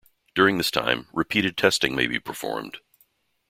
During this time, repeated testing may be performed.